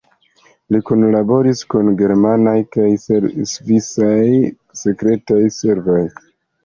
Li kunlaboris kun germanaj kaj svisaj sekretaj servoj.